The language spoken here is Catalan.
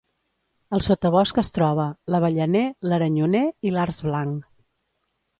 Al sotabosc es troba: l'avellaner, l'aranyoner i l'arç blanc.